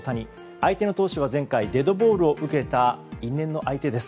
相手の投手は前回デッドボールを受けた因縁の相手です。